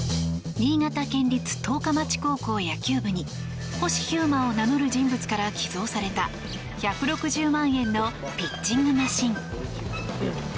新潟県立十日町高校野球部に星飛雄馬を名乗る人物から寄贈された１６０万円のピッチングマシン。